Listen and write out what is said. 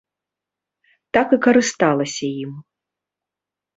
Так і карысталася ім.